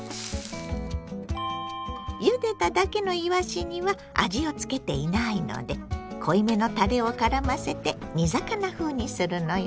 ゆでただけのいわしには味をつけていないので濃いめのたれをからませて煮魚風にするのよ。